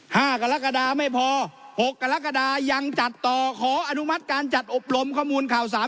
กรกฎาไม่พอหกกรกฎายังจัดต่อขออนุมัติการจัดอบรมข้อมูลข่าวสาร